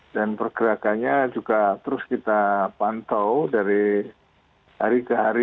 dan pergerakannya juga terus kita pantau dari hari ke hari